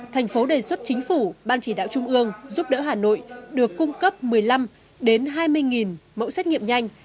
thành phố đề xuất chính phủ ban chỉ đạo trung ương giúp đỡ hà nội được cung cấp một mươi năm hai mươi mẫu xét nghiệm nhanh